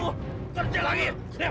ayo kerja lagi